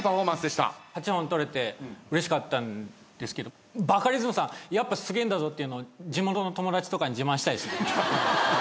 ８本取れてうれしかったんですがバカリズムさんやっぱすげえんだぞというのを地元の友達とかに自慢したいですね。